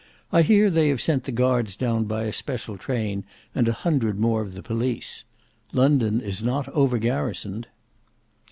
I hear they have sent the guards down by a special train, and a hundred more of the police. London is not over garrisoned."